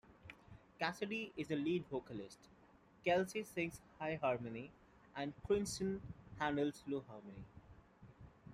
Kassidy is the lead vocalist, Kelsi sings high harmony, and Kristyn handles low harmony.